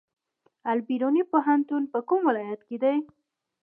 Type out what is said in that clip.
البیروني پوهنتون په کوم ولایت کې دی؟